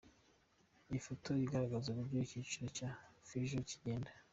Ifoto igaragaza uburyo icyiciro cya Fission kigenda.